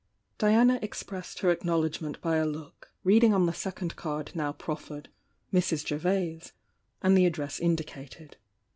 Diana expressed her acknowledgment by a look, reading on the second card now proffered; "Mrs. Gervase," and the address indicated.